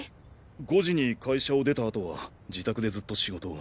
５時に会社を出た後は自宅でずっと仕事を。